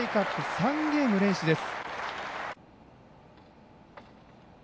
３ゲーム連取です。